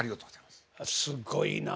すごいなあ。